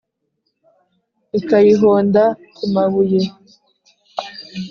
ikayihonda ku mabuye.